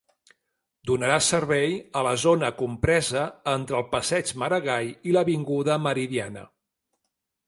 Donarà servei a la zona compresa entre el passeig Maragall i l'avinguda Meridiana.